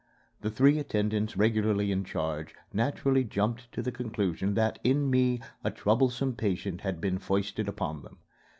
The three attendants regularly in charge naturally jumped to the conclusion that, in me, a troublesome patient had been foisted upon them.